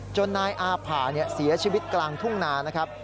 นายอาผ่าเสียชีวิตกลางทุ่งนานะครับ